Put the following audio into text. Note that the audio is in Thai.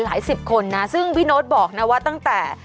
สิบคนนะซึ่งพี่โน๊ตบอกนะว่าตั้งแต่